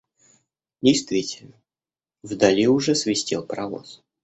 Действительно, вдали уже свистел паровоз.